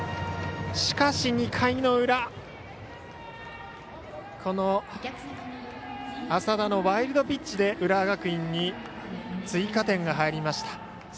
しかし、２回の裏この麻田のワイルドピッチで浦和学院に追加点が入りました。